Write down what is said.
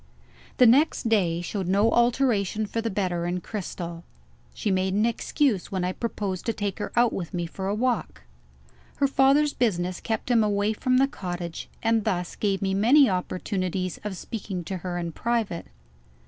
The next day showed no alteration for the better, in Cristel. She made an excuse when I proposed to take her out with me for a walk. Her father's business kept him away from the cottage, and thus gave me many opportunities of speaking to her in private.